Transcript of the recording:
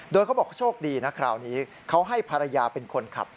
โดยเขาบอกโชคดีนะคราวนี้เขาให้ภรรยาเป็นคนขับ